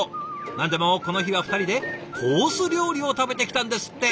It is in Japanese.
何でもこの日は２人でコース料理を食べてきたんですって。